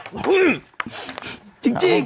มึยยจริง